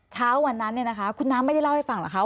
เช้าวันนั้นคุณน้ำไม่ได้เล่าให้ฟังหรือคะ